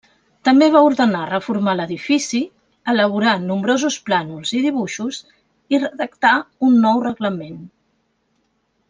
També va ordenar reformar l'edifici, elaborà nombrosos plànols i dibuixos i redactà un nou reglament.